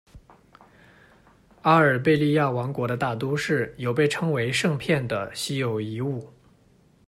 阿尔贝利亚王国的大都市有被称为「圣片」的稀有遗物。